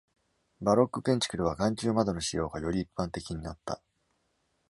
バロック建築では眼球窓の使用がより一般的になった。